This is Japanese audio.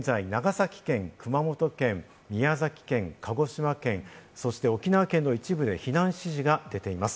また現在、長崎県、熊本県、宮崎県、鹿児島県、そして沖縄県の一部で避難指示が出ています。